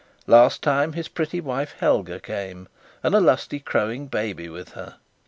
Last time, his pretty wife Helga came, and a lusty crowing baby with her.